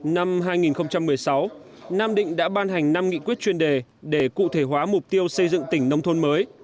năm hai nghìn một mươi sáu nam định đã ban hành năm nghị quyết chuyên đề để cụ thể hóa mục tiêu xây dựng tỉnh nông thôn mới